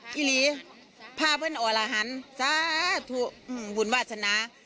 พี่ลีผ้าเพื่อนออลหันสาธุหุ่นวาสนา